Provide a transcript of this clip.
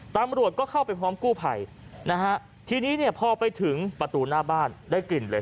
ตำรวจก็เข้าไปพร้อมกู้ภัยนะฮะทีนี้เนี่ยพอไปถึงประตูหน้าบ้านได้กลิ่นเลย